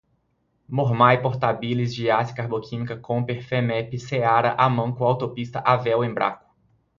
Mormaii, Portabilis, Giassi, Carboquímica, Comper, Femepe, Seara, Amanco, Autopista, Avell, Embraco